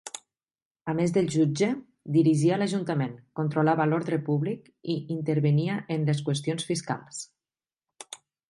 A més de jutge, dirigia l'ajuntament, controlava l'ordre públic i intervenia en les qüestions fiscals.